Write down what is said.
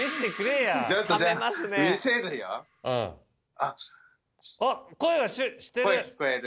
あっ声はしてる。